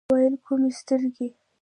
ما ویل: کومي سترګي ؟